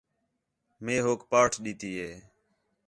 مئے ہوک پارت ݙِتی ہِے